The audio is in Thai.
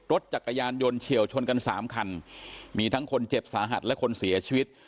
รถจักรยานยนต์เฉียวชนกันสามคันมีทั้งคนเจ็บสาหัสและคนเสียชีวิต